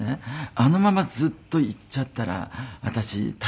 あのままずっといっちゃったら私体調を崩して。